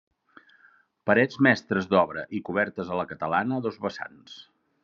Parets mestres d'obra i cobertes a la catalana a dos vessants.